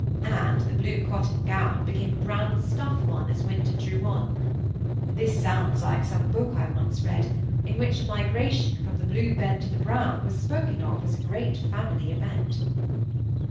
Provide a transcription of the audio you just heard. And the blue cotton gown became a brown stuff one as winter drew on; this sounds like some book I once read, in which a migration from the blue bed to the brown was spoken of as a great family event.